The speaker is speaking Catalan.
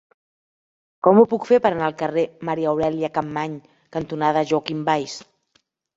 Com ho puc fer per anar al carrer Maria Aurèlia Capmany cantonada Joaquim Valls?